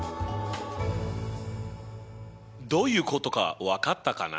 どういうことか分かったかな？